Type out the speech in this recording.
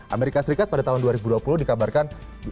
amerika serikat pada tahun dua ribu dua puluh dikabarkan